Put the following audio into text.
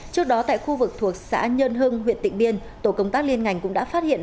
trước đó tại khu vực thuộc xã nhân hưng huyện tịnh biên tổ công tác liên ngành cũng đã phát hiện